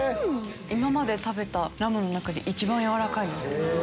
今まで食べたラムの中で一番軟らかいです。